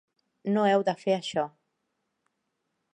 No heu de fer això.